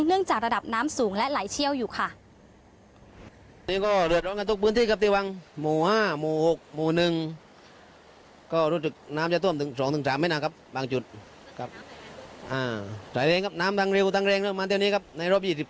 เนื่องจากระดับน้ำสูงและไหลเชี่ยวอยู่ค่ะ